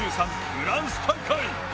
フランス大会。